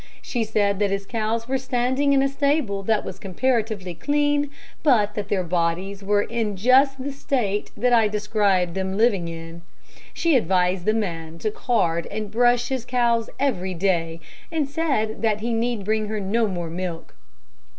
She said that his cows were standing in a stable that was comparatively clean, but that their bodies were in just the state that I described them as living in. She advised the man to card and brush his cows every day, and said that he need bring her no more milk.